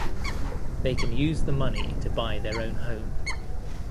They can use the money to buy their own home.